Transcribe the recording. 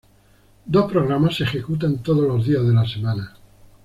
Dos programas se ejecutan todos los días de la semana.